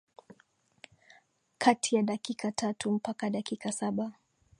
kati ya dakika tatu mpaka dakika saba